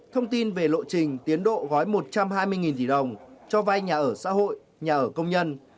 thông tin về lộ trình tiến độ gói một trăm hai mươi tỷ đồng cho vay nhà ở xã hội nhà ở công nhân